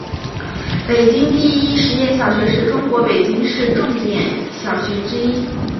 北京第一实验小学是中国北京市重点小学之一。